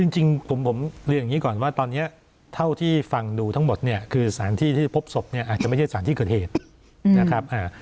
จริงผมเรียนอย่างนี้ก่อนว่าตอนนี้เท่าที่ฟังดูทั้งหมดเนี่ยคือสถานที่ที่พบศพเนี่ยอาจจะไม่ใช่สารที่เกิดเหตุนะครับ